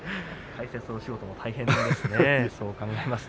解説のお仕事も大変ですね。